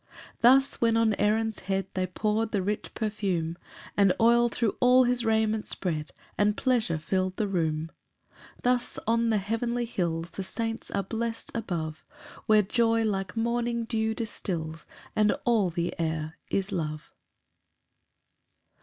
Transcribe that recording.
3 Thus when on Aaron's head They pour'd the rich perfume, The oil thro' all his raiment spread, And pleasure fill'd the room. 4 Thus on the heavenly hills The saints are blest above, Where joy like morning dew distils, And all the air is love.